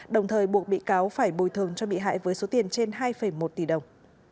đồng thời buộc bị cáo phải bồi thường cho bị hại với số tiền trên hai một tỷ đồng